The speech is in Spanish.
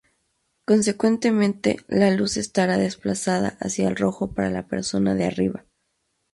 Consecuentemente, la luz estará desplazada hacia el rojo para la persona de arriba.